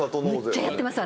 むっちゃやってます